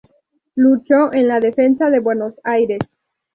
Luchó en la Defensa de Buenos Aires.